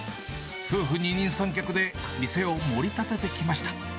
夫婦二人三脚で店を盛り立ててきました。